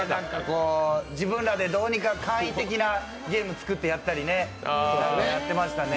自分らでどうにか簡易的なゲーム作ったりしてやってましたね。